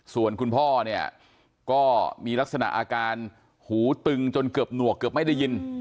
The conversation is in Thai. ส่วนคุณพ่อเนี่ยก็มีลักษณะอาการหูตึงจนเกือบหนวกเกือบไม่ได้ยิน